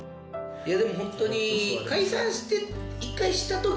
いやでもホントに。